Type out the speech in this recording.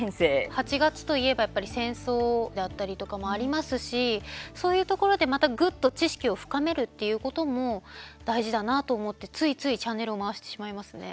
８月といえばやっぱり戦争だったりとかもありますしそういうところで、またぐっと知識を深めるっていうことも大事だなと思ってついついチャンネルを回してしまいますね。